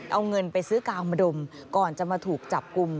เอาเงินไปซื้อกางมาดมก่อนจะมาถูกจับกลุ่ม